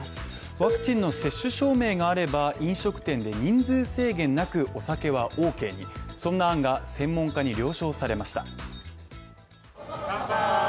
ワクチンの接種証明があれば、飲食店で人数制限なくお酒はＯＫにそんな案が専門家に了承されました。